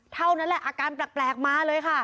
เท่านั้นแหละอาการแปลกมาเลยค่ะ